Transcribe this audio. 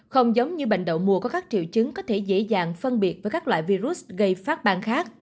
không giống như bệnh đậu mùa có các triệu chứng có thể dễ dàng phân biệt với các loại virus gây phát bang khác